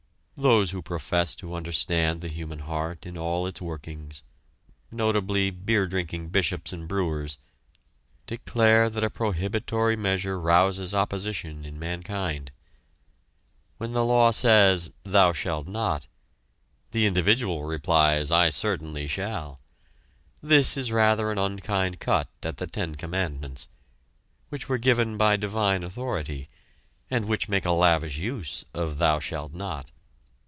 Those who profess to understand the human heart in all its workings, notably beer drinking bishops and brewers, declare that a prohibitory measure rouses opposition in mankind. When the law says, "Thou shalt not," the individual replies, "I certainly shall!" This is rather an unkind cut at the ten commandments, which were given by divine authority, and which make a lavish use of "Thou shalt not!"